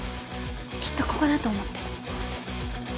きっとここだと思って。